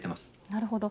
なるほど。